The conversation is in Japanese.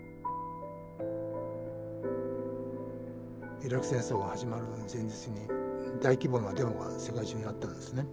イラク戦争が始まる前日に大規模なデモが世界中であったんですね。